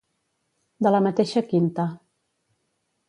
De la mateixa quinta.